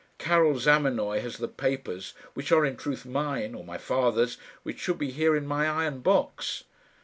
Karil Zamenoy has the papers, which are in truth mine or my father's which should be here in my iron box."